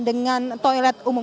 dengan toilet umum